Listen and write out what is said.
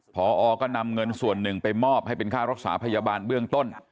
พอก็นำเงินส่วนหนึ่งไปมอบให้เป็นค่ารักษาพยาบาลเบื้องต้น